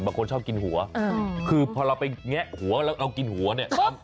บางคนชอบกินหัวคือพอเราไปแงะหัวเรากินหัวเนี่ย